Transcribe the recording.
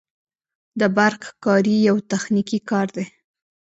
د برق کاري یو تخنیکي کار دی